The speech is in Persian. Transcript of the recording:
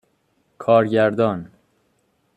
کارگردان